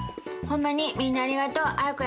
ホンマにみんなありがとう。